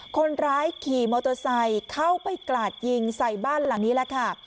คนร้ายขี่มอเตอร์ไซค์เข้าไปกราดยิงใส่บ้านหลังนี้แหละค่ะ